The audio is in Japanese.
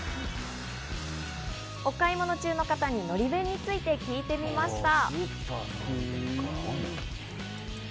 お買い物中の方にのり弁について聞いてみました。